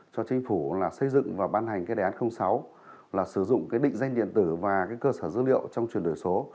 thành đề án sáu là sử dụng định danh điện tử và cơ sở dữ liệu trong chuyển đổi số